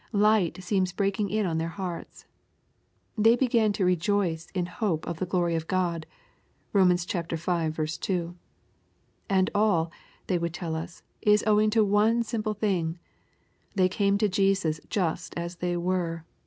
Light seems breaking in on their hearts. They begin to " rejoice in hope of the glory of God." (Eom. v. 2.) And all, they would tell us, is owing to one simple thing. They came to Jesus just as they were.